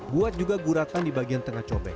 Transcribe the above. buat juga guratan di bagian tengah cobek